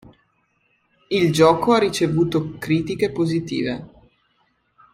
Il gioco ha ricevuto critiche positive.